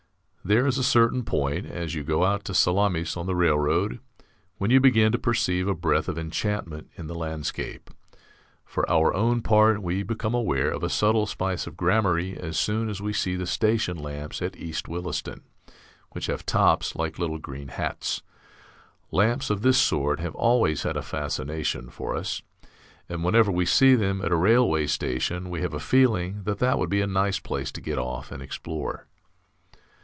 There is a certain point, as you go out to Salamis on the railroad, when you begin to perceive a breath of enchantment in the landscape. For our own part, we become aware of a subtle spice of gramarye as soon as we see the station lamps at East Williston, which have tops like little green hats. Lamps of this sort have always had a fascination for us, and whenever we see them at a railway station we have a feeling that that would be a nice place to get off and explore.